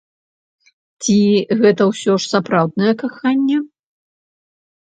Ці гэта ўсё ж сапраўднае каханне?